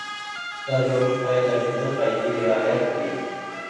دا جوړښت باید دا پنځه قاعدې رعایت کړي.